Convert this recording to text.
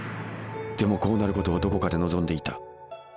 でもこうなることをどこかで望んでいた。